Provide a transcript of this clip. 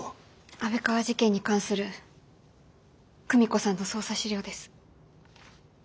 安倍川事件に関する久美子さんの捜査資料です。